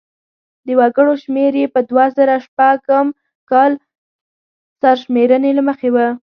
د وګړو شمېر یې په دوه زره شپږم کال سرشمېرنې له مخې و.